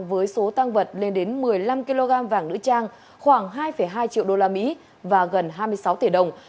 với số tăng vật lên đến một mươi năm kg vàng nữ trang khoảng hai hai triệu usd và gần hai mươi sáu tỷ đồng